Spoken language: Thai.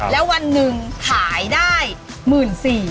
แล้ววันหนึ่งขายได้๑๔๐๐บาท